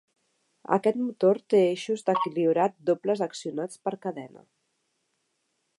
Aquest motor té eixos d'equilibrat dobles accionats per cadena.